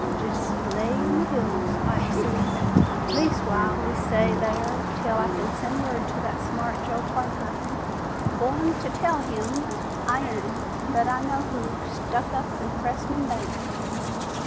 "Jest lay in the hills," Ike soothed. "Leastwise we'll lay thar 'til I can send word to that smart Joe Parker. Goin' to tell him, I am, that I know who stuck up the Cressman bank.